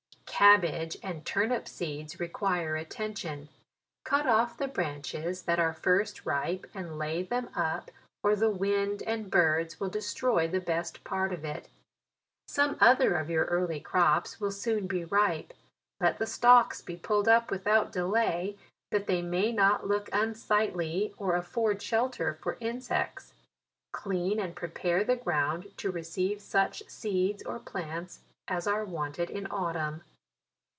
CABBAGE and TURNIP SEEDS, require attention. Cut off the branches that are first ripe, and lay them up, or the wind and birds will destroy the best part of it. Some other of your early crops will soon be ripe. Let the stalks be pulled up without delay, that they may not look unsightly, or afford shelter for insects. Clean, and pre pare the ground to receive such seeds or plants as are wanted in autumn.